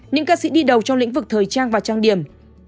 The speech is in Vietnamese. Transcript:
những ca sĩ đi đầu trong lĩnh vực thời trang và trang điểm